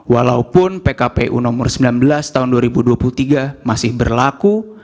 walaupun pkpu nomor sembilan belas tahun dua ribu dua puluh tiga masih berlaku